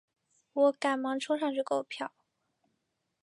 我赶忙冲上去购票